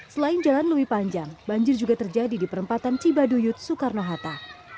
selain jalan lewi panjang banjir juga terjadi di perempatan cibaduyut soekarno hatta